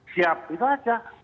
siap itu saja